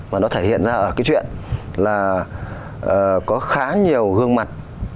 và nó thể hiện ra ở cái chuyện là có khá nhiều gương mặt